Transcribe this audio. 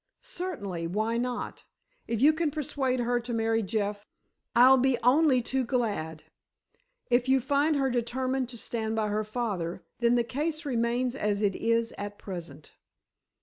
"Certainly. Why not? If you can persuade her to marry Jeff, I'll be only too glad. If you find her determined to stand by her father, then the case remains as it is at present."